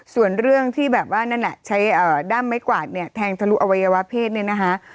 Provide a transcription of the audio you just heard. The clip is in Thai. ส่วนเรื่องที่แบบว่านั่นน่ะใช้ด้ามไม้กวาดเนี่ยแทงทะลุอวัยวะเพศเนี่ยนะคะ